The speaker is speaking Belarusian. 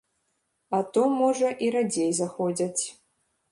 А то, можа, і радзей заходзяць.